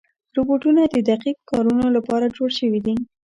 روبوټونه د دقیق کارونو لپاره جوړ شوي دي.